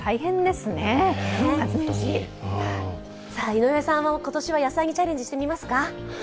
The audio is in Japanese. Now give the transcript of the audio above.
井上さんも今年は野菜にチャレンジしてみますか？